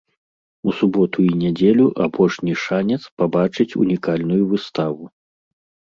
У суботу і нядзелю апошні шанец пабачыць унікальную выставу.